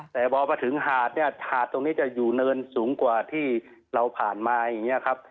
แต่พอมาถึงหาดเนี่ยหาดตรงนี้จะอยู่เนินสูงกว่าที่เราผ่านมาอย่างนี้ครับ